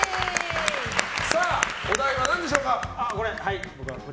お題は何でしょうか？